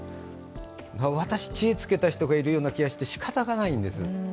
私、知恵をつけた人がいる気がしてしかたがないんです。